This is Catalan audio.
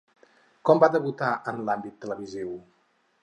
Com va debutar en l'àmbit televisiu?